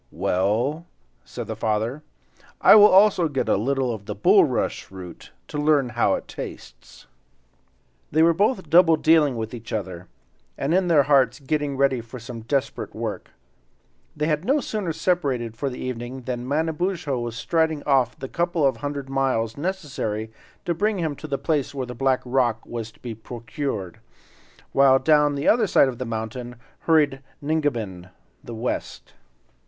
"Well," said the father, "I will also get a little of the bulrush root, to learn how it tastes." They were both double dealing with each other, and in their hearts getting ready for some desperate work. They had no sooner separated for the evening than Manabozho was striding off the couple of hundred miles necessary to bring him to the place where the black rock was to be procured, while down the other side of the mountain hurried Ningabinn, the West.